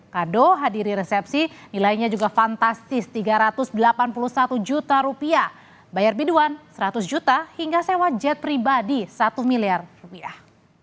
kado hadiri resepsi nilainya juga fantastis tiga ratus delapan puluh satu juta rupiah bayar biduan seratus juta hingga sewa jet pribadi satu miliar rupiah